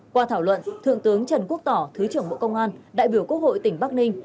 qua thảo luận thượng tướng trần quốc tỏ thứ trưởng bộ công an đại biểu quốc hội tỉnh bắc ninh